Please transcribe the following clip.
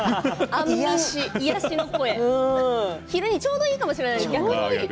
癒やしの声昼にちょうどいいかもしれない。